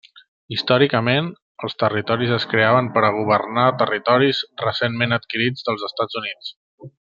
Històricament, els territoris es creaven per a governar territoris recentment adquirits dels Estats Units.